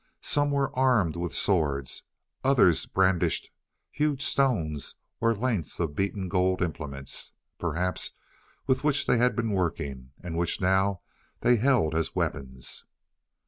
Some were armed with swords; others brandished huge stones or lengths of beaten gold implements, perhaps with which they had been working, and which now they held as weapons.